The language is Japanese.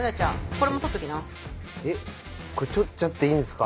これ撮っちゃっていいんですか？